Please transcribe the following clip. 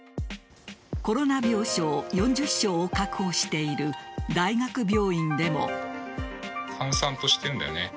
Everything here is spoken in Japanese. コロナ病床４０床を確保している大学病院でも。